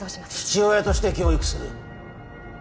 父親として教育する。